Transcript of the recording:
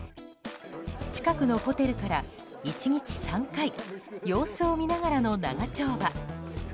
近くのホテルから１日３回様子を見ながらの長丁場。